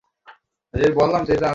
ঠিক বলছি তো?